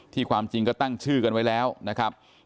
ความจริงก็ตั้งชื่อกันไว้แล้วนะครับ